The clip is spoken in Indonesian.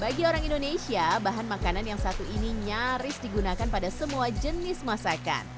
bagi orang indonesia bahan makanan yang satu ini nyaris digunakan pada semua jenis masakan